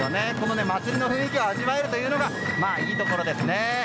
祭りの雰囲気を味わえるのがいいところですね。